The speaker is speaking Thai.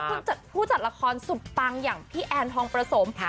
เมื่อผู้จัดละครสุบปังอย่างพี่แอนธองประสงค์